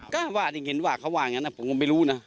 ก็ว่าถึงเห็นว่าเขาว่าอย่างนั้นผมก็ไม่รู้นะ